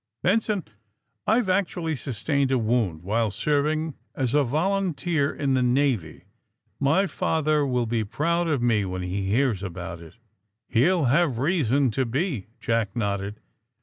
Ben son, I've actually sustained a wound while serv ing as a volunteer in the Navy, My father will be proud of me when he hears about it." He'll have reason to be," Jack nodded.